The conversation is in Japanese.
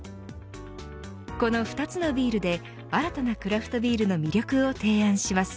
この２つのビールで新たなクラフトビールの魅力を提案します。